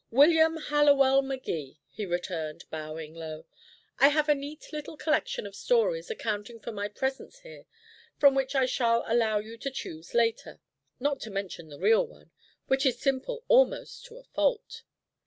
"William Hallowell Magee," he returned, bowing low. "I have a neat little collection of stories accounting for my presence here, from which I shall allow you to choose later. Not to mention the real one, which is simple almost to a fault."